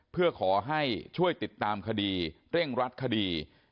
เพื่อขอให้ช่วยติดตามคดีเร่งรัดคดี